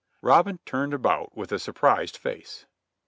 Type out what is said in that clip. Robin turned about with a surprised face.